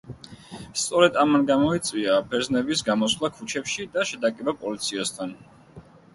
სწორედ ამან გამოიწვია ბერძნების გამოსვლა ქუჩებში და შეტაკება პოლიციასთან.